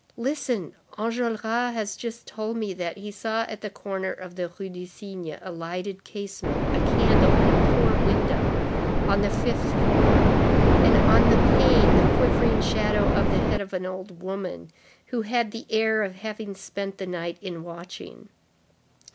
Listen, Enjolras has just told me that he saw at the corner of the Rue du Cygne a lighted casement, a candle in a poor window, on the fifth floor, and on the pane the quivering shadow of the head of an old woman, who had the air of having spent the night in watching.